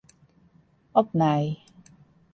Opnij.